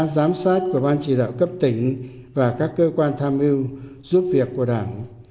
giám sát của ban chỉ đạo cấp tỉnh và các cơ quan tham ưu giúp việc của đảng